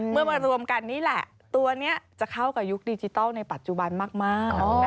มารวมกันนี่แหละตัวนี้จะเข้ากับยุคดิจิทัลในปัจจุบันมาก